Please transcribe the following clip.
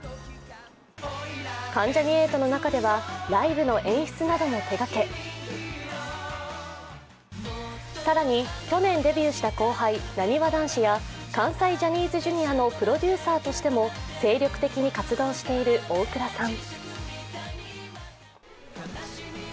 関ジャニ∞の中ではライブの演出なども手がけ更に去年デビューした後輩・なにわ男子や関西ジャニーズＪｒ．のプロデューサーとしても精力的に活動している大倉さん。